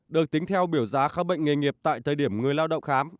được tính theo biểu giá khám bệnh nghề nghiệp tại thời điểm người lao động khám